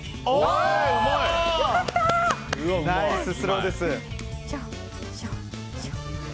ナイススローです。